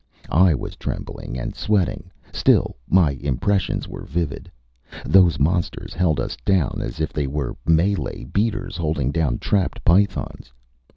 I was trembling and sweating. Still, my impressions were vivid. Those monsters held us down as if they were Malay beaters holding down trapped pythons.